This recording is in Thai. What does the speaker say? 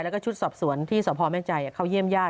แล้วก็ชุดสอบสวนที่สพแม่ใจเข้าเยี่ยมญาติ